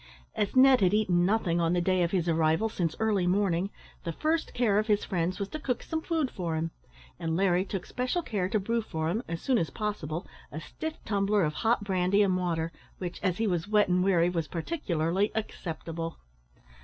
As Ned had eaten nothing on the day of his arrival since early morning, the first care of his friends was to cook some food for him; and Larry took special care to brew for him, as soon as possible, a stiff tumbler of hot brandy and water, which, as he was wet and weary, was particularly acceptable.